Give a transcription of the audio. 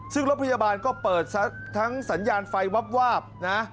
ซึ่งรถพยาบาลก็เปิดทั้งสัญญาณไฟวาบนะ